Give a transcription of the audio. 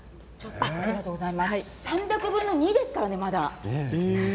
まだ３００分の２ですからね。